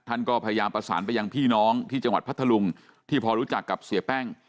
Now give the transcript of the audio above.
ท่านก็พยายามประสานไปยังพี่น้องที่จังหวัดพัทธลุงที่พอรู้จักกับเสียแป้ง